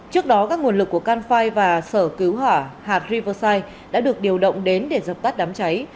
trước đó các nguồn lực của canfi và sở cứu hỏa hạt riversite đã được điều động đến để dập tắt đám cháy